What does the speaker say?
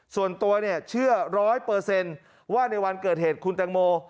ส่วนตัวเนี่ยเชื่อ๑๐๐ว่าในวันเกิดเหตุคุณแตงโม